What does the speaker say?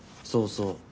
そうそう。